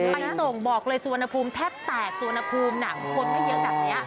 ไปส่งบอกเลยสวนภูมิแทบแตกสวนภูมิน่ะคนมาเยอะแบบเนี้ย